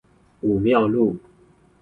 武廟路